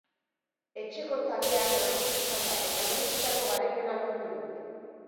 Etxeko taldea nagusi izan da, eta merezitako garaipena lortu du.